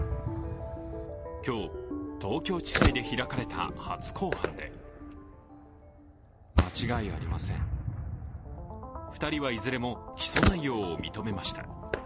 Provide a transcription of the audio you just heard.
今日、東京地裁で開かれた初公判で２人はいずれも起訴内容を認めました。